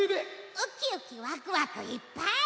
ウキウキワクワクいっぱい！